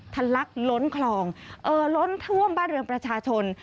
ทะลักล้นคลองเอ่อล้นท่วมบ้านเรือนประชาชน